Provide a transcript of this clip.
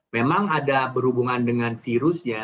memang ada berhubungan dengan virusnya